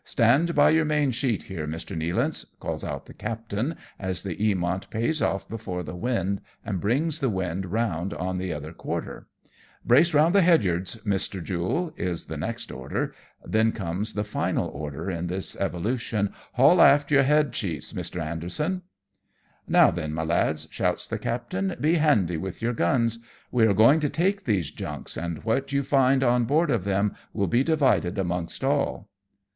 " Stand by your main sheet here, Mr. Nealance," calls out the captain, as the Eamont pays off before the wind, and brings the wind round on the other quarter. "Brace round the head yards, Mr. Jule/' is the next order ; then comes the final order in this evolu tion, " haul aft your head sheets, Mr. Anderson." "Now then, my lads," shouts the captain, "be handy with your guns. We are going to take these junks, and what you find on board of them will be divided amongst all.